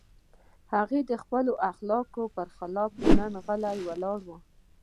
هغه د خپلو اخلاقو پر خلاف نن غلی ولاړ و.